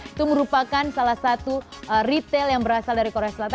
itu merupakan salah satu retail yang berasal dari korea selatan